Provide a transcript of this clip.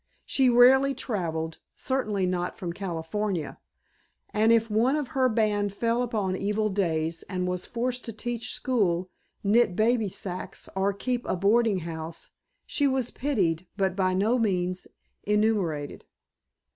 She rarely travelled, certainly not from California, and if one of her band fell upon evil days and was forced to teach school, knit baby sacques, or keep a boarding house, she was pitied but by no means emulated.